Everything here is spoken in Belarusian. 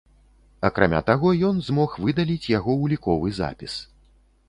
Акрамя таго, ён змог выдаліць яго уліковы запіс.